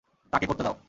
তাকে করতে দাও।